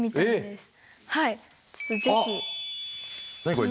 これ。